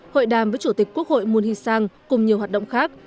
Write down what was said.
hội đàm với chủ tịch quốc hội moon hee sang cùng nhiều hoạt động khác